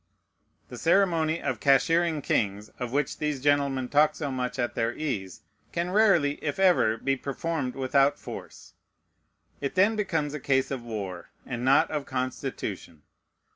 The ceremony of cashiering kings, of which these gentlemen talk so much at their ease, can rarely, if ever, be performed without force. It then becomes a case of war, and not of constitution.